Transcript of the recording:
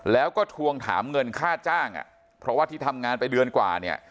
แล้วก็ทวงถามเงินค่าจ้างอ่ะเพราะว่าที่ทำงานไปเดือนกว่าเนี่ย